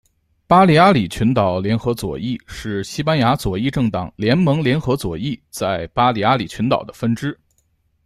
巴利阿里群岛联合左翼是西班牙左翼政党联盟联合左翼在巴利阿里群岛的分支。